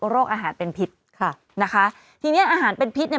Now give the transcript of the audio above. โรคอาหารเป็นพิษค่ะนะคะทีเนี้ยอาหารเป็นพิษเนี่ย